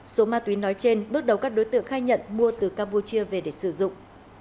số ma túy nói trên bước đầu các đối tượng khai nhận mua từ campuchia về để sử dụng